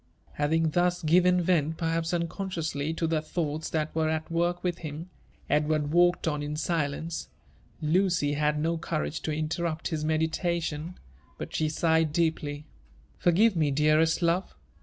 Having thus given vent, perhaps unconsciously, to the thoughts that were at work within him, Edward walked on in silence. Lucy had DO courage to interrupt his meditation, but she sighed deeply. "Forgive me, dearest love!"